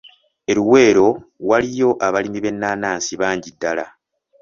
E Luweero waliyo abalimi b’ennaanansi bangi ddala.